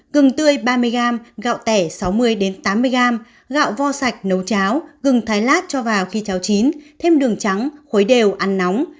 gừng tươi ba mươi gram gạo tẻ sáu mươi tám mươi gram gạo vo sạch nấu cháo gừng thái lát cho vào khi cháo chín thêm đường trắng khối đều ăn nóng